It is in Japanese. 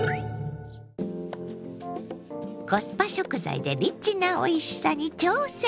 コスパ食材でリッチなおいしさに挑戦！